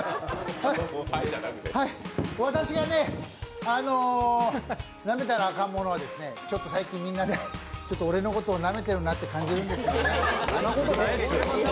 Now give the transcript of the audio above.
私がなめたらアカンものはちょっと最近みんなで俺のことをなめてるなって気がしてるんですよね。